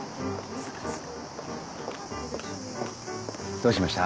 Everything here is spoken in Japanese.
どうしました？